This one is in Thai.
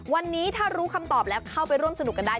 วันนี้ถ้ารู้คำตอบแล้วเข้าไปร่วมสนุกกันได้